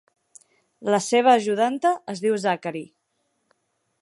La seva ajudanta es diu Zachary.